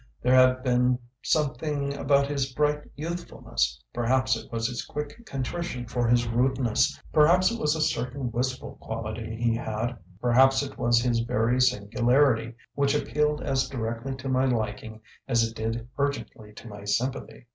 There had been something about his bright youthfulness perhaps it was his quick contrition for his rudeness, perhaps it was a certain wistful quality he had, perhaps it was his very "singularity" which appealed as directly to my liking as it did urgently to my sympathy.